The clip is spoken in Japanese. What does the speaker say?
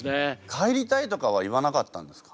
帰りたいとかは言わなかったんですか？